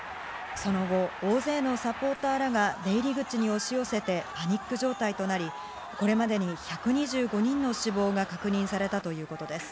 その後、大勢のサポーターらが出入り口に押し寄せてパニック状態となり、これまでに１２５人の死亡が確認されたということです。